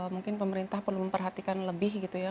mungkin pemerintah perlu memperhatikan lebih gitu ya